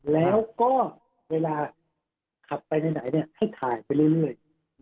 แล้วก็เวลาขับไปไหนให้ถ่ายไปเรื่อย